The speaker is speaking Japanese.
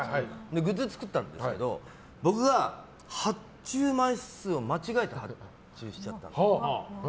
グッズ作ったんですけど僕が発注枚数を間違えて発注しちゃったの。